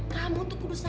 kamu tuh kudus sadar